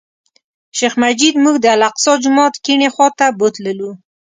شیخ مجید موږ د الاقصی جومات کیڼې خوا ته بوتللو.